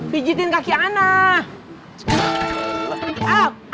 fijitin kaki anak